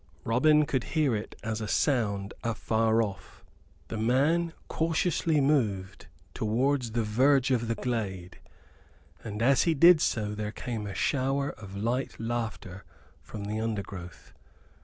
Robin could hear it as a sound afar off. The man cautiously moved towards the verge of the glade, and as he did so there came a shower of light laughter from the undergrowth.